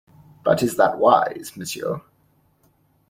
But is that wise, monsieur?